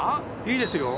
いいですよ！